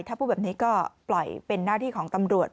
ถ้าพูดแบบนี้ก็ปล่อยเป็นหน้าที่ของตำรวจ